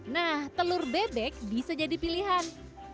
nah telur bebek bisa jadi pilihan